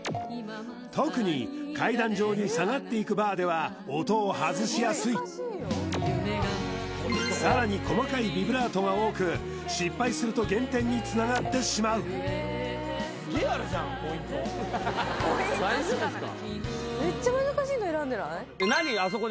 特に階段状に下がっていくバーでは音を外しやすいさらに細かいビブラートが多く失敗すると減点につながってしまう震えて待ってるだけだった